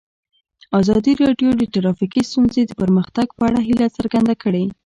ازادي راډیو د ټرافیکي ستونزې د پرمختګ په اړه هیله څرګنده کړې.